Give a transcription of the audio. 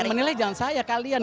menilai jangan saya kalian